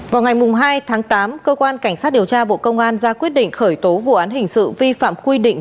vào ngày hai tháng tám cơ quan cảnh sát điều tra bộ công an ra quyết định khởi tố vụ án hình sự vi phạm quy định